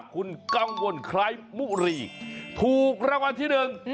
คุณกังวลคล้ายมุรีถูกรางวัลที่หนึ่ง